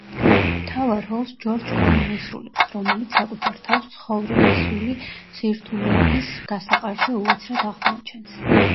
მთავარ როლს – ჯორჯ კლუნი ასრულებს, რომელიც საკუთარ თავს ცხოვრებისული სირთულებიის გასაყარზე უეცრად აღმოაჩენს.